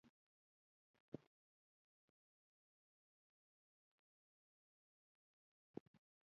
دوی له ښاغلي مورګان سره د کار کولو په هلو ځلو کې پاتې شول